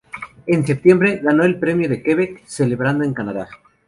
En septiembre, ganó el Gran Premio de Quebec, celebrado en Canadá.